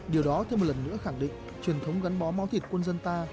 điều đó thêm một lần nữa khẳng định truyền thống gắn bó máu thịt quân dân ta